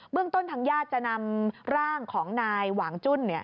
เรื่องต้นทางญาติจะนำร่างของนายหวางจุ้น